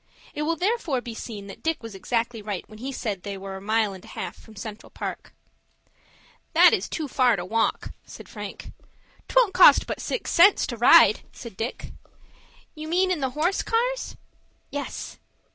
It will therefore be seen that Dick was exactly right, when he said they were a mile and a half from Central Park. "That is too far to walk," said Frank. "'Twon't cost but six cents to ride," said Dick. "You mean in the horse cars?" "Yes."